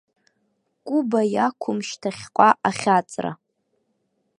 Куба иақәым шьҭахьҟа ахьаҵра!